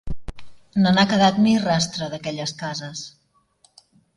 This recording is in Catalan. No n'ha quedat ni rastre, d'aquelles cases.